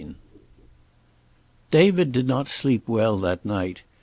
IV David did not sleep well that night.